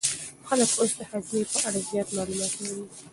خلک اوس د هاضمې په اړه زیات معلومات لولي.